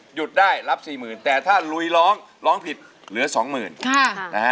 หยุดได้รับสี่หมื่นแต่ถ้าลุยร้องร้องผิดเหลือสองหมื่นค่ะนะฮะ